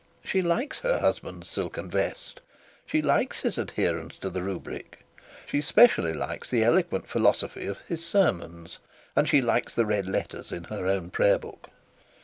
She likes her husband's silken vest, she likes his adherence to the rubric, she specially likes the eloquent philosophy of his sermons, and she likes the red letters in her own prayer book.